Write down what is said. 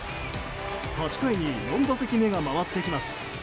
８回に４打席目が回ってきます。